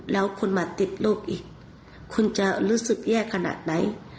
แล้วคุณมาติดโรคอีกคุณจะรู้สึกแย่ขนาดไหน